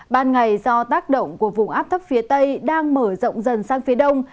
ban ngày do tác động của vùng áp thấp phía tây đang mở rộng dần sang phía đông